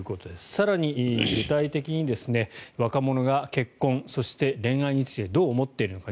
更に具体的に若者が結婚、そして恋愛についてどう思っているのか。